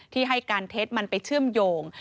ที่ให้การเท็จมันไปเชื่อมโยง